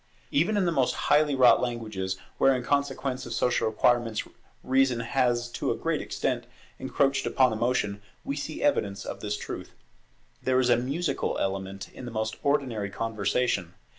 Even in the most highly wrought languages, where, in consequence of social requirements, reason has to a great extent encroached upon emotion, we see evidence of this truth. There is a musical element in the most ordinary conversation.